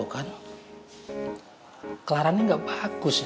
tuh kan clara ini gak bagus ya